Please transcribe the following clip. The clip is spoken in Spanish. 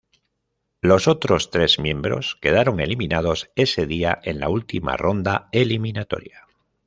Los otros tres miembros quedaron eliminados ese día en la última ronda eliminatoria.